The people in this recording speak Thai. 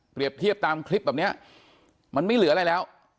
เทียบตามคลิปแบบนี้มันไม่เหลืออะไรแล้ว